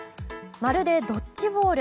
まるでドッジボール。